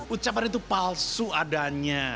ucapan itu palsu adanya